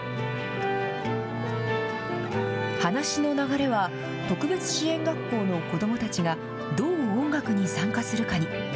話しの流れは、特別支援学校の子どもたちが、どう音楽に参加するかに。